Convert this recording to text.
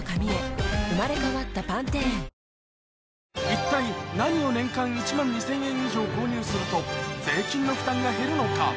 一体何を年間１万２０００円以上購入すると税金の負担が減るのか？